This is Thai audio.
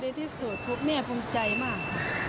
ที่สุดคุณแม่ภูมิใจมาก